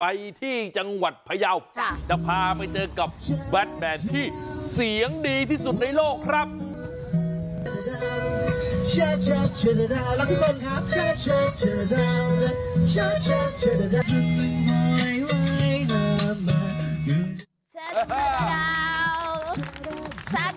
ไปที่จังหวัดพยาวจะพาไปเจอกับแบทแมนที่เสียงดีที่สุดในโลกครับ